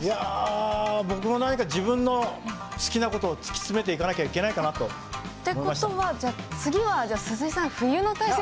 いやぁ僕も何か自分の好きなことを突き詰めていかなきゃいけないかなと。ってことはじゃあ次は鈴井さん冬の大雪山。